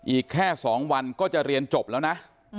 อีกแค่๒วันก็จะเรียนจบแล้วนะ